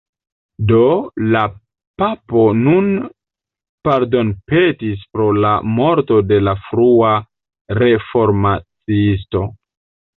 Do, la papo nun pardonpetis pro la morto de la frua reformaciisto.